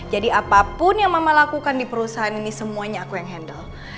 jadi apapun yang mama lakukan di perusahaan ini semuanya aku yang handle